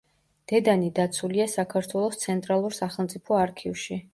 დედანი დაცულია საქართველოს ცენტრალურ სახელმწიფო არქივში.